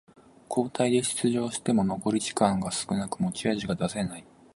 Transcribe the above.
交代で出場しても残り時間が少なく持ち味が出せない